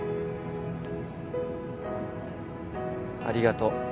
ありがとう。